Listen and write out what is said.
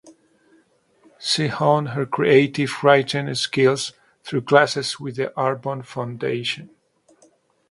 She honed her creative writing skills through classes with the Arvon Foundation.